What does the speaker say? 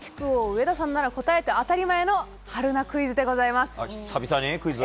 王、上田さんなら答えて当たり前の春奈クイズでございます。